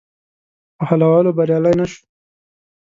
په حلولو بریالی نه شو.